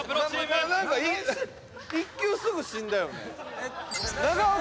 なんか１球すぐ死んだよね？